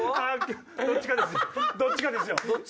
どっちかですよ。